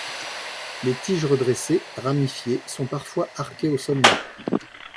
Les tiges redressées, ramifiées, sont parfois arquées au sommet.